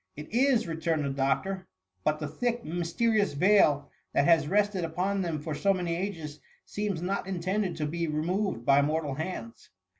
'' *'It is," returned the doctor: " but the thick mysterious veil that has rested upon them for so many ages, seems not intended to be re moved by mortal hands.